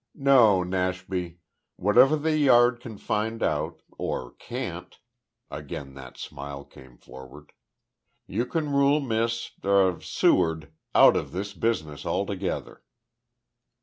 No, Nashby. Whatever the Yard can find out or can't," again that smile came forward, "you can rule Miss er Seward out of this business altogether."